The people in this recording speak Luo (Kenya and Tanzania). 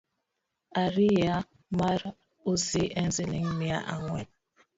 Arieya mar usi en siling’ mia ang’wen